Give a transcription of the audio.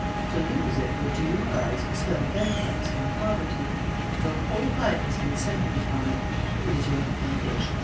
To lose it would to your eyes spell bankruptcy and poverty. Your whole life has been centred upon it. It is your fetish.